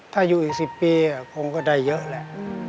ถ้าอยู่อีก๑๐ปีก็จะได้เยอะและ